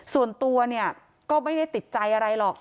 ส่วนตัวเนี่ยก็ไม่ได้ติดใจอะไรหรอก